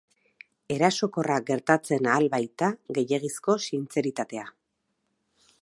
Erasokorra gertatzen ahal baita gehiegizko sintzeritatea.